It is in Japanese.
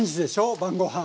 晩ごはん。